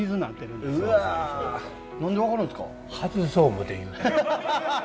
何で分かるんですか？